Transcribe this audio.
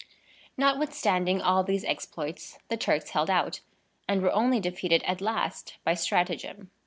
Notwithstanding all these exploits, the Turks held out, and were only defeated at last by stratagem.